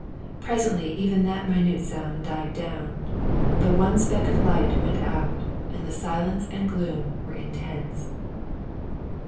Presently even that minute sound died down, the one speck of light went out, and the silence and gloom were intense.